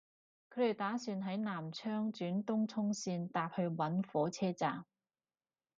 佢哋打算喺南昌轉東涌綫搭去搵火車站